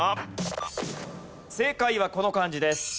正解はこの漢字です。